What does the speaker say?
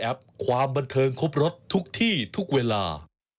เดี๋ยวมาฟังค่ะช่วงหน้า